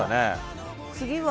次は。